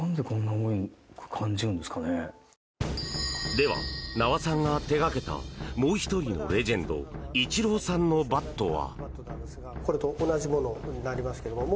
では、名和さんが手掛けたもう１人のレジェンドイチローさんのバットは。